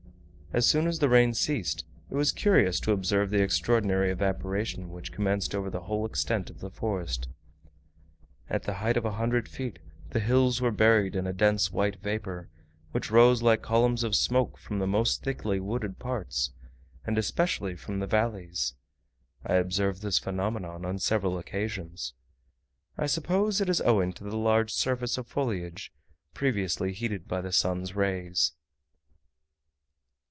As soon as the rain ceased, it was curious to observe the extraordinary evaporation which commenced over the whole extent of the forest. At the height of a hundred feet the hills were buried in a dense white vapour, which rose like columns of smoke from the most thickly wooded parts, and especially from the valleys. I observed this phenomenon on several occasions. I suppose it is owing to the large surface of foliage, previously heated by the sun's rays.